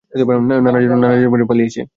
নাদারাজন নিজের জানের ভয়ে পালিয়েছে।